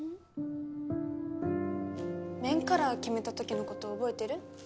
メンカラー決めた時のこと覚えてる？